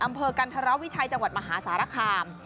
อำเภอกันทะเลาะวิชัยจังหวัดมหาศาลคาม